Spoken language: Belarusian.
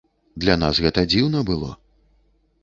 Для нас гэта дзіўна было.